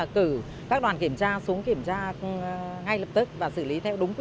cử các đoàn kiểm tra xuống kiểm tra ngay lập tức và xử lý